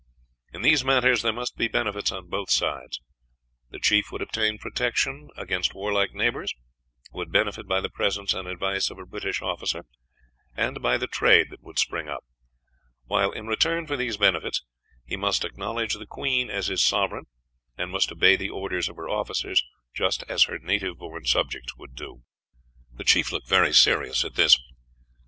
In these matters there must be benefits on both sides: the chief would obtain protection against warlike neighbors, would benefit by the presence and advice of a British officer, and by the trade that would spring up; while, in return for these benefits, he must acknowledge the Queen as his sovereign, and must obey the orders of her officers just as her native born subjects would do. The chief looked very serious at this.